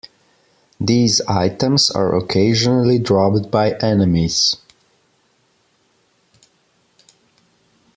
These items are occasionally dropped by enemies.